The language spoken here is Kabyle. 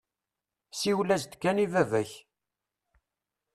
Siwel-as-d kan i baba-k.